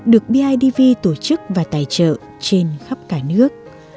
được bidv tổ chức và tài trợ trên khắp cả nước